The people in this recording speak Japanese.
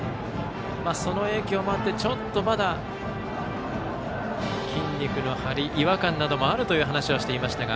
その影響もあってちょっとまだ筋肉の張りや違和感などもあるという話もしていました。